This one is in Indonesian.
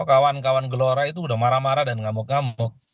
kawan kawan gelora itu udah marah marah dan ngamuk ngamuk